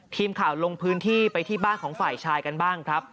ทีมข่าวลงพื้นที่ไปที่บ้านของฝ่ายชายกันบ้างครับ